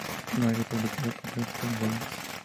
Noire", publicado por Rockstar Games.